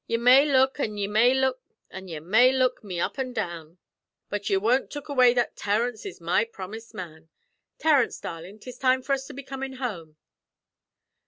Ye may look an' ye may look an' ye may look me up an' down, but ye won't look away that Terence is my promust man. Terence, darlin', 'tis time for us to be comin' home.'